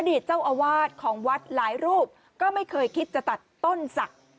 เจ้าอาวาสของวัดหลายรูปก็ไม่เคยคิดจะตัดต้นศักดิ์